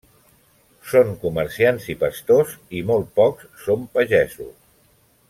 Són comerciants i pastors i molt pocs són pagesos.